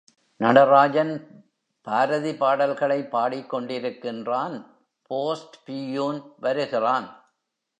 நடராஜன் பாரதி பாடல்களைப் பாடிக்கொண்டிருக்கின்றான், post peon வருகிறான்.